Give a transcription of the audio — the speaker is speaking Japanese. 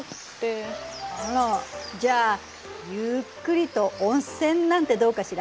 あらじゃあゆっくりと温泉なんてどうかしら？